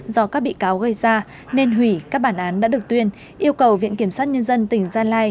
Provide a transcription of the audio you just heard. do các bị cáo gây ra nên hủy các bản án đã được tuyên yêu cầu viện kiểm sát nhân dân tỉnh gia lai